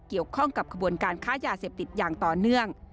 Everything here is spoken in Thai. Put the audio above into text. เกี่ยวข้องกับขบวนการค้ายาเสพติดอย่างต่อเนื่อง